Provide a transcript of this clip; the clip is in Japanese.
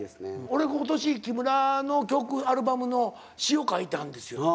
俺今年木村の曲アルバムの詞を書いたんですよ。